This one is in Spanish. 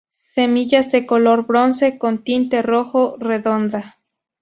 Semillas de color bronce con tinte rojo, redonda.